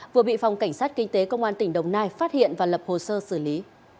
vừa bị phòng cảnh sát kinh tế công an tỉnh đồng nai phát hiện và lập hồ sơ xử lý